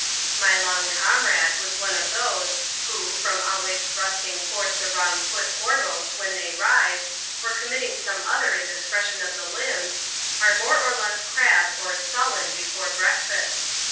My long comrade was one of those, who, from always thrust ing forth the wrong foot foremost when they rise, or conmiitting^ some other indiscretion of the limbs, are more or less crabbed or sullen before breakfast.